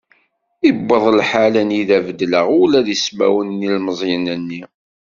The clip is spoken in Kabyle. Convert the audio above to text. Iwweḍ lḥal anida beddleɣ ula d ismawen n yilmeẓyen-nni.